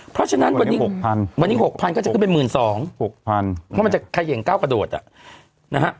เพราะฉะนั้นวันนี้๖๐๐วันนี้๖๐๐ก็จะขึ้นเป็น๑๒๐๐๖๐๐เพราะมันจะเขย่งก้าวกระโดดอ่ะนะฮะ